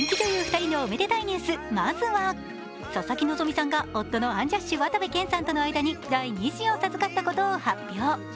２人のおめでたいニュース、まずは佐々木希さんが夫のアンジャッシュ・渡部建さんとの間に第２子を授かったことを発表。